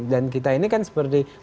dan kita ini kan seperti warung biasa